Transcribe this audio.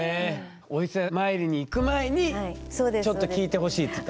お伊勢参りに行く前にちょっと聞いてほしいと。